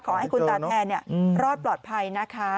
ขอให้คุณตาแทนรอดปลอดภัยนะคะ